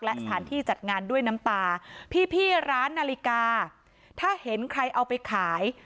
และสถานที่จัดงานด้วยน้ำตาพี่ร้านนาฬิกาถ้าเห็นใครเอาไปขาย